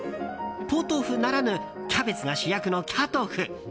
ポトフならぬキャベツが主役のキャトフ。